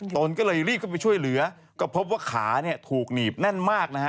ตนก็เลยรีบเข้าไปช่วยเหลือก็พบว่าขาเนี่ยถูกหนีบแน่นมากนะฮะ